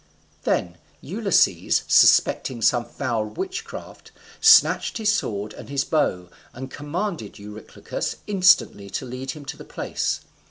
Then Ulysses, suspecting some foul witchcraft, snatched his sword and his bow, and commanded Eurylochus instantly to lead him to the place.